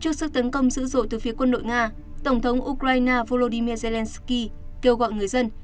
trước sự tấn công dữ dội từ phía quân đội nga tổng thống ukraine volodymyr zelensky kêu gọi người dân